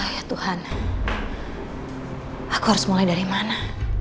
ya tuhan aku harus mulai dari mana